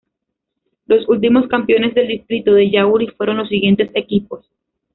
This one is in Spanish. Los últimos campeones del distrito de Yauri fueron los siguientes equipos.